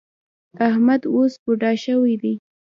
احمد اوس بوډا شوی دی.